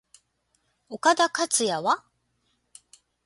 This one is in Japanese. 岡田克也は？